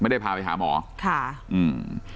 ได้พาไปหาหมอค่ะอืม